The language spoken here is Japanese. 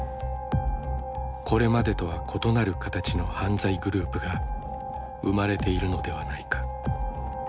これまでとは異なる形の犯罪グループが生まれているのではないか。